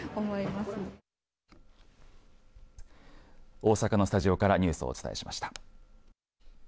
大阪のスタジオからニュースをお伝えしました。